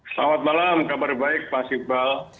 selamat malam kabar baik pak iqbal